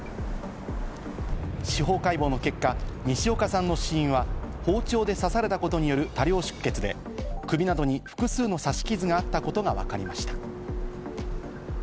司法解剖の結果、西岡さんの死因は包丁で刺されたことによる多量出血で、首などに複数の刺し傷があったことがわかりました。